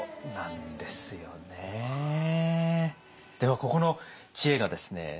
ここの知恵がですね